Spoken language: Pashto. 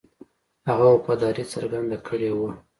هغه وفاداري څرګنده کړې وه.